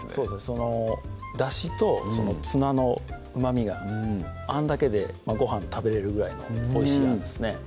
そのだしとツナのうまみがあんだけでごはん食べれるぐらいのおいしいあんですね